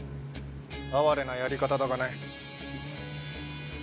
あわれなやり方だがね。